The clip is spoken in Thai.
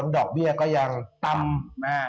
ดอกเบี้ยก็ยังต่ำ